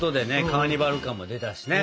カーニバル感が出たしね。